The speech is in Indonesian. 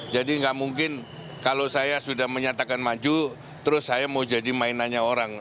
jadi enggak mungkin kalau saya sudah menyatakan maju terus saya mau jadi mainannya orang